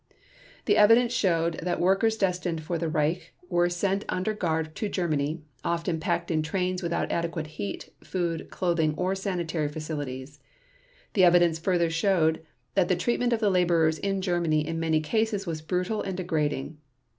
The evidence showed that workers destined for the Reich were sent under guard to Germany, often packed in trains without adequate heat, food, clothing, or sanitary facilities. The evidence further showed that the treatment of the laborers in Germany in many cases was brutal and degrading.